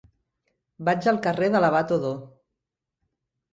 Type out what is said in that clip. Vaig al carrer de l'Abat Odó.